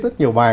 rất nhiều bài